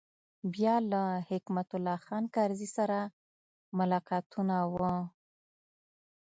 بیا له حکمت الله خان کرزي سره ملاقاتونه و.